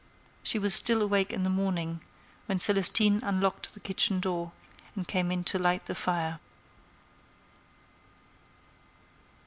She was still awake in the morning, when Celestine unlocked the kitchen door and came in to light the fire.